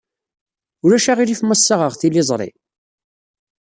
Ulac aɣilif ma ssaɣeɣ tiliẓri?